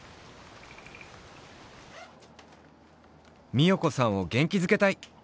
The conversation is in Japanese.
美代子さんをげんきづけたい！